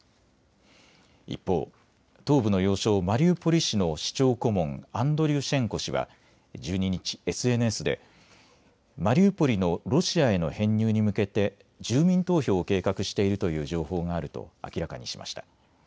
一方、東部の要衝マリウポリ市の市長顧問、アンドリュシェンコ氏は１２日、ＳＮＳでマリウポリのロシアへの編入に向けて住民投票を計画しているという情報があると明らかにしました。